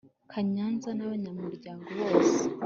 Ka nyanza n abanyamuryango bose